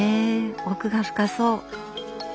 奥が深そう。